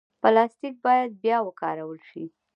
پلاستيک باید بیا وکارول شي.